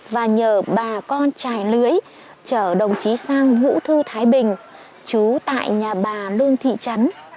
và nhờ bà con trải lưỡi chở đồng chí sang vũ thư thái bình chú tại nhà bà lương thị trấn